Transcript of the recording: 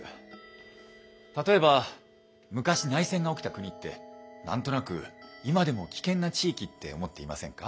例えば昔内戦が起きた国って何となく今でも危険な地域って思っていませんか？